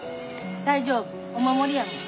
大丈夫お守りやねん。